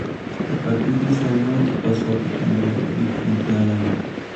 A partir de ese año pasa a depender de Fuente Álamo.